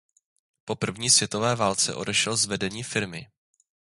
Po první světové válce odešel z vedení firmy.